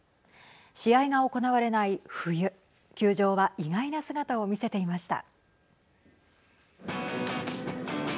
試合が行われない冬球場は意外な姿を見せていました。